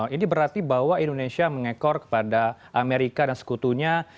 ini berarti bahwa indonesia mengekor kepada amerika dan sekutunya